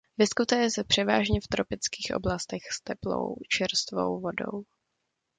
Vyskytuje se převážně v tropických oblastech s teplou čerstvou vodou.